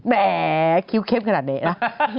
แหมคิ้วเข้มขนาดนี้นะ